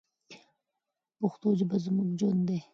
پښتو ژبه زموږ ژوند دی.